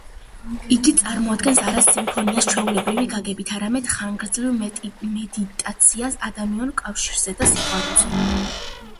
იგი წარმოადგენს არა სიმფონიას ჩვეულებრივი გაგებით, არამედ ხანგრძლივ მედიტაციას ადამიანურ კავშირზე და სიყვარულზე.